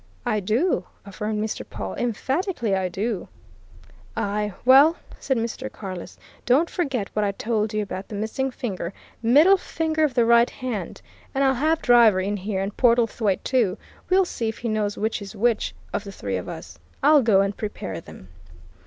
"I do!" affirmed Mr. Pawle. "Emphatically, I do!" "Aye, well!" said Mr. Carless. "Don't forget what I told you about the missing finger middle finger of the right hand. And I'll have Driver in here, and Portlethwaite, too; we'll see if he knows which is which of the three of us. I'll go and prepare them."